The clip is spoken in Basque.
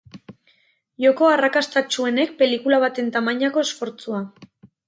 Joko arrakastatsuenek pelikula baten tamainako esfortzua.